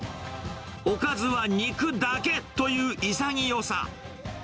おかずは肉だけという潔さ。